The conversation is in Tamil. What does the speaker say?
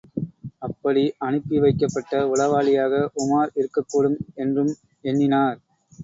அப்படி அனுப்பி வைக்கப்பட்ட உளவாளியாக உமார் இருக்கக்கூடும் என்றும் எண்ணினார்.